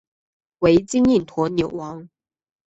为金印驼纽王。